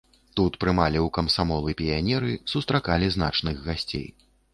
Тут прымалі ў камсамол і піянеры, сустракалі значных гасцей.